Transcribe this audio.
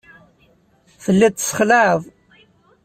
Telliḍ tessexlaɛeḍ.